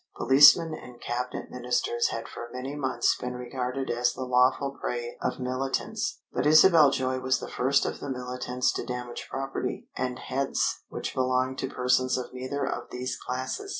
Policemen and cabinet ministers had for many months been regarded as the lawful prey of militants, but Isabel Joy was the first of the militants to damage property and heads which belonged to persons of neither of these classes.